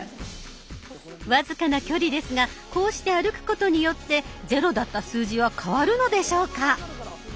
僅かな距離ですがこうして歩くことによってゼロだった数字は変わるのでしょうか？